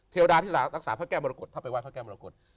เทวดาที่รักษาพระแก้วมรกฏถ้าไปไห้พระแก้วมรกฏ